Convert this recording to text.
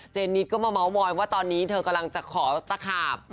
นิดก็มาเมาส์มอยว่าตอนนี้เธอกำลังจะขอตะขาบ